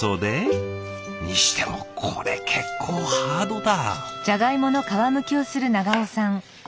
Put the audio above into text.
にしてもこれ結構ハードだ。